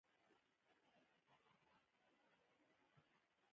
لېوالتیا خلک د ګور له غاړې راستانه کړي دي